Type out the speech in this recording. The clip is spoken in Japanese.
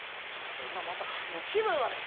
そんなまさかはもう気分悪い